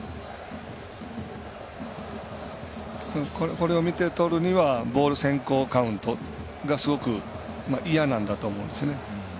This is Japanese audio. これを見てとるにはボール先行カウントがすごく嫌なんだと思います。